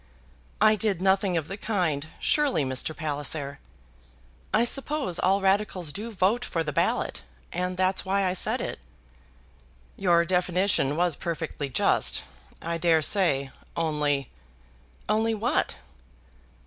"I did nothing of the kind, surely, Mr. Palliser. I suppose all Radicals do vote for the ballot, and that's why I said it." "Your definition was perfectly just, I dare say, only " "Only what?"